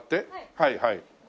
はいはい。